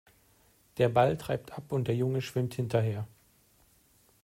Der Ball treibt ab und der Junge schwimmt hinterher.